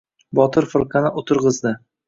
Botir firqani o‘tirg‘izdi.